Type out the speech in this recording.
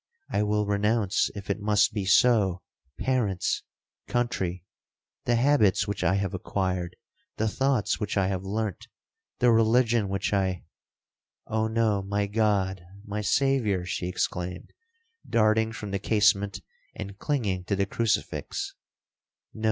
I will renounce, if it must be so, parents,—country,—the habits which I have acquired,—the thoughts which I have learnt,—the religion which I—Oh no! my God! my Saviour!' she exclaimed, darting from the casement, and clinging to the crucifix—'No!